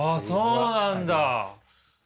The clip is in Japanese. そうなんだ。